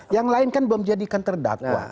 yang lain kan belum jadikan terdakwa